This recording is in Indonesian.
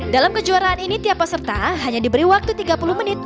dalam kejuaraan ini tiap peserta hanya diberi waktu tiga puluh menit